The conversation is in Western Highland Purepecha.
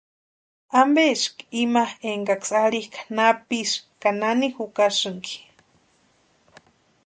¿Ampeski ima énkaksï arhikʼa napisï ka nani jukasïnki?